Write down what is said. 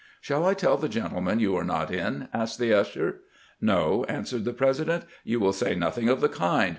" ShaU I teU the gentleman you are not in?" asked the usher. "No," answered the Presi dent; "you wiU say nothing of the kind.